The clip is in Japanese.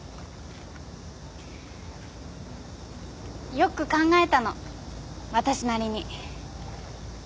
よく考えたの私なりに。